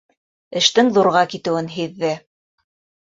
Эштең ҙурға китеүен һиҙҙе.